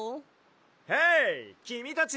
・ヘイきみたち！